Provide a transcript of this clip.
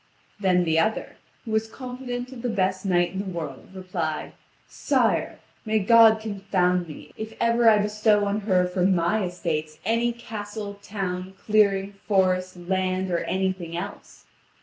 Then the other, who was confident of the best knight in the world, replied: "Sire, may God confound me, if ever I bestow on her from my estates any castle, town, clearing, forest, land, or anything else.